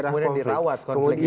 maka kemudian dirawat konflik itu